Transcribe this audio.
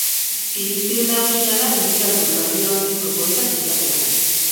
Irizpide nagusia da literatur balio handiko poetak izatea.